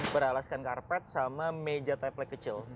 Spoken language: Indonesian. beralaskan karpet sama meja tapelack kecil